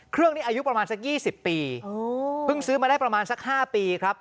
เครื่องนี้อายุประมาณสัก๒๐ปีเพิ่งซื้อมาได้ประมาณสัก๕ปีครับ